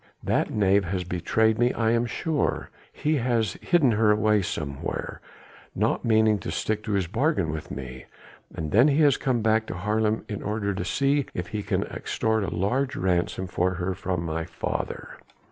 "That knave has betrayed me I am sure. He has hidden her away somewhere, not meaning to stick to his bargain with me, and then has come back to Haarlem in order to see if he can extort a large ransom for her from my father."